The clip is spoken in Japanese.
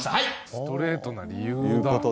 ストレートな理由だ。